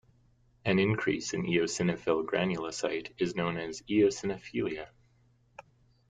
An increase in eosinophil granulocyte is known as eosinophilia.